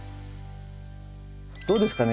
どうですかね？